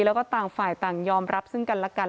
แล้วก็ต่างฝ่ายต่างยอมรับซึ่งกันและกัน